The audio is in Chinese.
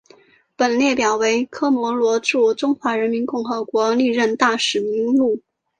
本列表为科摩罗驻中华人民共和国历任大使名录。